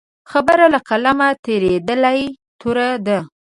خبره له قلمه تېرېدلې توره ده.